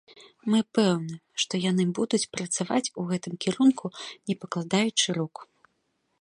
Мы пэўны, што яны будуць працаваць у гэтым кірунку не пакладаючы рук.